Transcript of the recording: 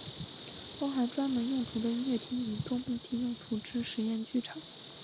包含专门用途的音乐厅与多目的用途之实验剧场。